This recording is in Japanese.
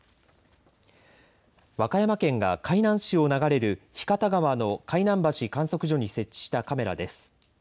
和歌山県が海南市を流れる日方川の海南橋観測所に設置したカメラです。